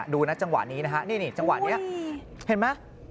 ดูนะจังหวะนี้นะฮะนี่จังหวะนี้เห็นไหม